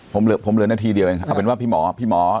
ผมเหลือนนาทีเดียวเองอาจเป็นว่าพี่หมอ